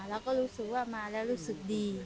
เราก็รู้สึกว่ามาแล้วรู้สึกดี